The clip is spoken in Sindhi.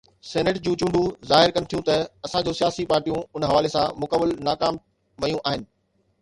سينيٽ جون چونڊون ظاهر ڪن ٿيون ته اسان جون سياسي پارٽيون ان حوالي سان مڪمل ناڪام ويون آهن.